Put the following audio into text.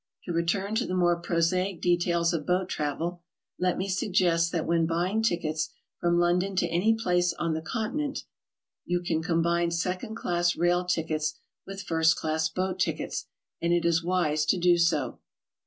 To return to the more prosaic de tails of boat travel, let me suggest that when buying tickets from London to any place on the Continent, you can com bine second class rail tickets with first class boat tickets, and it is wise so to do.